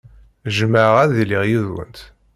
Jjmeɣ ad iliɣ yid-went.